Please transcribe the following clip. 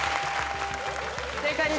正解です。